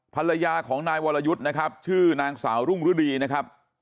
ภรรยาของนายวรยุทธ์นะครับชื่อนางสาวรุ่งฤดีนะครับ